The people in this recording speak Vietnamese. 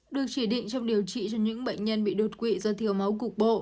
được chỉ định trong điều trị cho những bệnh nhân bị đột quỵ do thiếu máu cục bộ